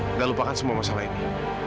kita lupakan semua masalah ini